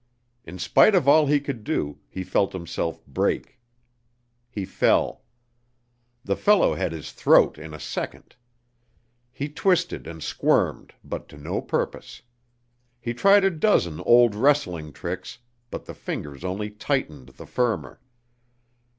In spite of all he could do, he felt himself break. He fell. The fellow had his throat in a second. He twisted and squirmed but to no purpose. He tried a dozen old wrestling tricks, but the fingers only tightened the firmer.